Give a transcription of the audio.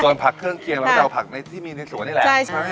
ส่วนผักเครื่องเคียงเราก็จะเอาผักที่มีในสวนนี่แหละ